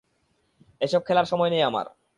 এসব খেলার সময় নেই আমার।